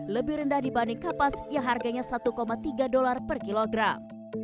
lebih rendah dibanding kapas yang harganya satu tiga dolar per kilogram